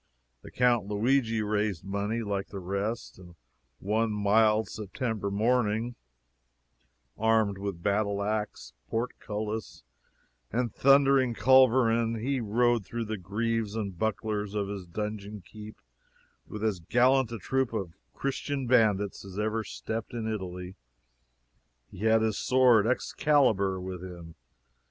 The Count Luigi raised money, like the rest, and one mild September morning, armed with battle ax, portcullis and thundering culverin, he rode through the greaves and bucklers of his donjon keep with as gallant a troop of Christian bandits as ever stepped in Italy. He had his sword, Excalibur, with him.